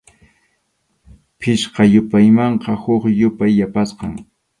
Pichqa yupaymanqa huk yupay yapasqam.